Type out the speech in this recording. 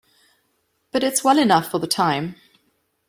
But it's well enough for the time.